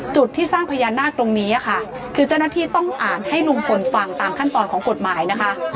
ที่สร้างพญานาคตรงนี้ค่ะคือเจ้าหน้าที่ต้องอ่านให้ลุงพลฟังตามขั้นตอนของกฎหมายนะคะ